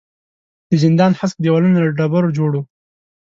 د زندان هسک دېوالونه له ډبرو جوړ وو.